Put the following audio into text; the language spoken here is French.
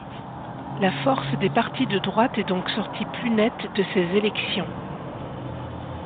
La force des partis de droite est donc sortie plus nette de ces élections.